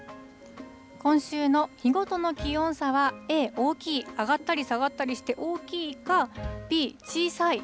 今週の日ごとの気温差は、Ａ、大きい。上がったり下がったりして大きいか、Ｂ、小さい。